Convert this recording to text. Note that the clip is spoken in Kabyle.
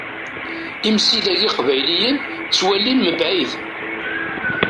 Imsidag iqbayliyen ttwalin mebɛid.